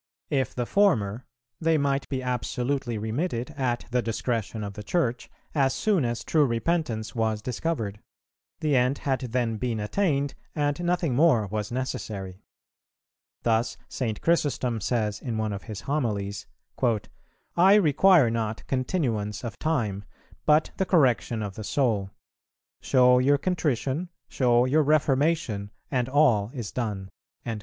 If the former, they might be absolutely remitted at the discretion of the Church, as soon as true repentance was discovered; the end had then been attained, and nothing more was necessary. Thus St. Chrysostom says in one of his Homilies,[387:1] "I require not continuance of time, but the correction of the soul. Show your contrition, show your reformation, and all is done."